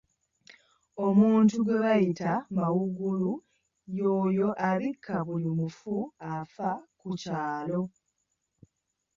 Omuntu gwe bayita mawuugulu y'oyo abika buli mufu afa ku kyalo